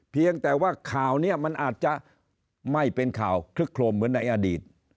เพียงแต่ว่าข่าวนี้มันอาจจะไม่เป็นข่าวคลึกโครมเหมือนในอดีต